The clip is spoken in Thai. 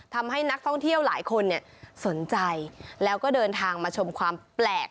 ทำให้นักท่องเที่ยวหลายคนสนใจแล้วก็เดินทางมาชมความแปลก